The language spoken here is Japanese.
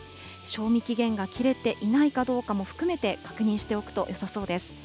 賞味期限が切れていないかどうかも含めて確認しておくとよさそうです。